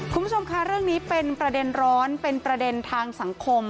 คุณผู้ชมค่ะเรื่องนี้เป็นประเด็นร้อนเป็นประเด็นทางสังคม